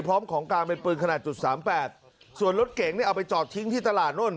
พร้อมของการเบนปืนขนาดจุด๓๘ส่วนรถเก๋งนี่เอาไปจอดทิ้งที่ตลาดนึน